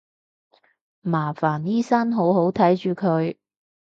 麻煩醫生好好睇住佢